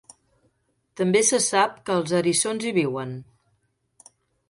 També se sap que els eriçons hi viuen.